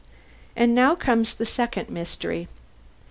And now comes the second mystery.